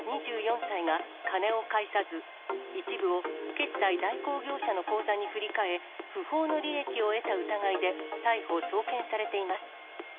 ２４歳が、金を返さず、一部を決済代行業者の口座に振り替え、不法な利益を得た疑いで逮捕・送検されています。